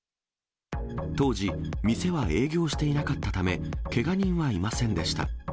当時、店は営業していなかったため、けが人はいませんでした。